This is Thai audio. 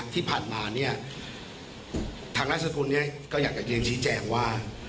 ที่ผ่านมาเนี่ยทางนามสกุลก็อยากจะเรียนชี้แจงว่า